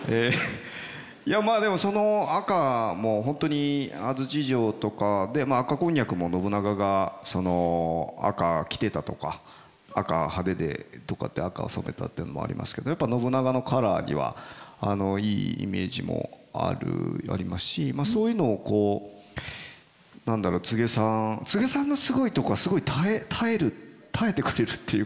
いやでもその赤もう本当に安土城とかねっ赤こんにゃくも信長が赤着てたとか赤派手でとかって赤を染めたっていうのもありますけどやっぱ信長のカラーにはいいイメージもありますしそういうのをこう何だろう柘植さんのすごいとこはすごい耐えてくれるっていうか。